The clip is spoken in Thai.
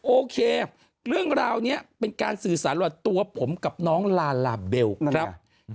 โอเคเรื่องราวนี้เป็นการสื่อสารระหว่างตัวผมกับน้องลาลาเบลครับ